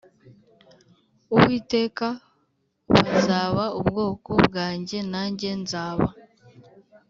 Uwiteka bazaba ubwoko bwanjye nanjye nzaba